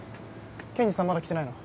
ケンジさんまだ来てないの？